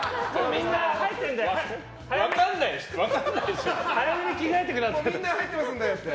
みんなもう入ってるんでって。